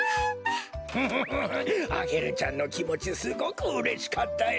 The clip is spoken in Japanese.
フフフフアゲルちゃんのきもちすごくうれしかったよ。